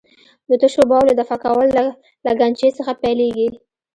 د تشو بولو دفع کول له لګنچې څخه پیلېږي.